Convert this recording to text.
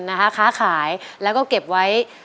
นะคะค้าขายแล้วก็เก็บไว้